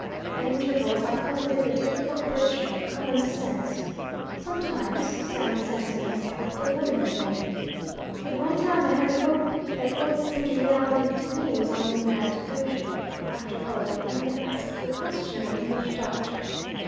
At intervals I cultivate the difficult virtue of common sense. Sometimes, sound sense makes a hopeful woman of me. At one time, I had the hope that what seemed reality to me was only mad delusion, after all I even asked the question of an English doctor!